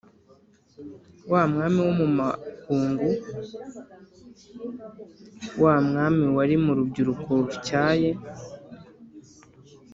Wa mwami wo mu makungu: wa mwami wari mu rubyiruko rutyaye,